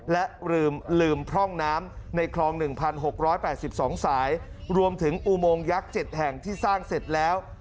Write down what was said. และลืมพร่องน้ำในคลอง๑๖๘๒สายรวมถึงอุโมงยักษ์๗แห่งที่สร้างเสร็จแล้ว